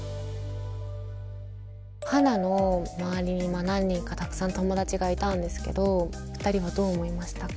ハナの周りに今何人かたくさん友達がいたんですけど２人はどう思いましたか？